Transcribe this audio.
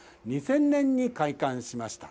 ２０００年に開館しました。